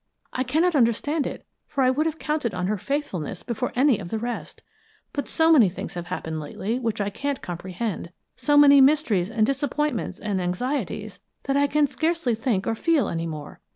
I cannot understand it, for I would have counted on her faithfulness before any of the rest, but so many things have happened lately which I can't comprehend, so many mysteries and disappointments and anxieties, that I can scarcely think or feel any more.